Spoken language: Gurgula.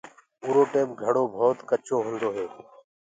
اُرو ٽيم گھڙو ڀوت ڪچو هوندو هي۔